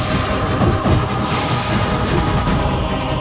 sang penguasa kerajaan penyelidikan